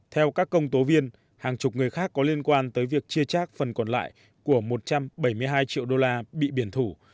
theo các công tố viên hàng chục người khác có liên quan tới việc chia trác phần còn lại của một trăm bảy mươi hai triệu đô la bị biển thủ